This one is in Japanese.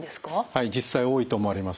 はい実際多いと思われます。